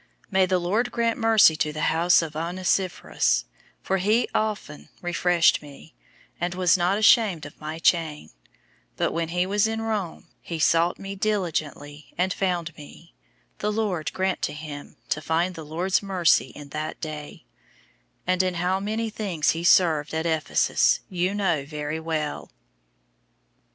001:016 May the Lord grant mercy to the house of Onesiphorus, for he often refreshed me, and was not ashamed of my chain, 001:017 but when he was in Rome, he sought me diligently, and found me 001:018 (the Lord grant to him to find the Lord's mercy in that day); and in how many things he served at Ephesus, you know very well.